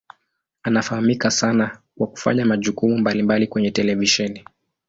Anafahamika sana kwa kufanya majukumu mbalimbali kwenye televisheni.